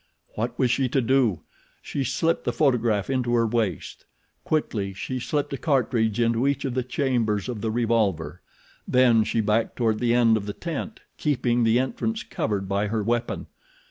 What was she to do? She slipped the photograph into her waist. Quickly she slipped a cartridge into each of the chambers of the revolver. Then she backed toward the end of the tent, keeping the entrance covered by her weapon.